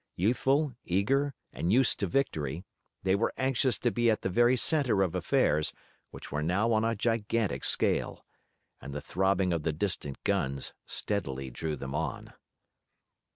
Youthful, eager, and used to victory, they were anxious to be at the very center of affairs which were now on a gigantic scale. And the throbbing of the distant guns steadily drew them on.